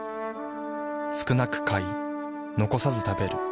少なく買い残さず食べる。